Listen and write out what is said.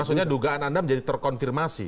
maksudnya dugaan anda menjadi terkonfirmasi